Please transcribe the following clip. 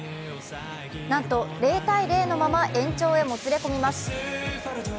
なんと０−０のまま延長へもつれ込みます。